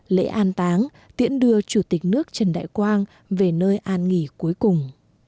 lễ an táng tiễn đưa chủ tịch nước trần đại quang về nơi an nghỉ cuối cùng